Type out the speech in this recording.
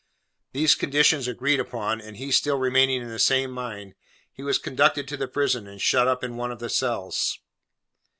These conditions agreed upon, and he still remaining in the same mind, he was conducted to the prison, and shut up in one of the cells.